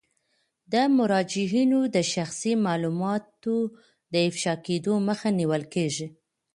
د مراجعینو د شخصي معلوماتو د افشا کیدو مخه نیول کیږي.